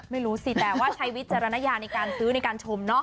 ไม่รู้สิแต่ว่าใช้วิจารณญาในการซื้อในการชมเนาะ